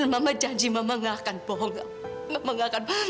mama janji mama nggak akan bohong